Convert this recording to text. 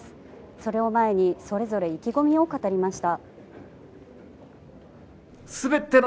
それを前にそれぞれ、意気込みを語りました。